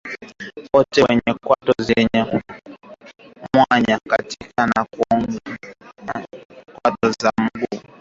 wote wenye kwato zenye mwanya katikati na kuoza kwato za miguu